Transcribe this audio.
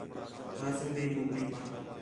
کھاسوں بھی کُکڑینک